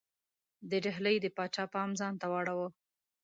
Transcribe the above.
د ډهلي د پاچا پام ځانته واړاوه.